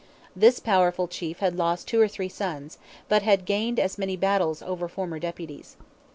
This powerful chief had lost two or three sons, but had gamed as many battles over former deputies.